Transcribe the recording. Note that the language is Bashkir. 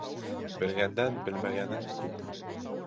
Белгәндән белмәгәнең күп.